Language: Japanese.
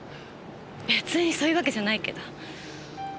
別にそういうわけじゃないけど。